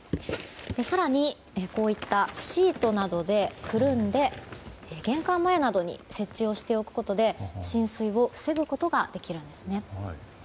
更にこういったシートなどでくるんで玄関前などに設置しておくことで浸水を防ぐことができるんですね。